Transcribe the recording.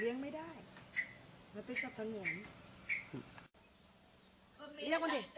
เลี้ยงไม่ได้มาติดกับทางเหนืออันนี้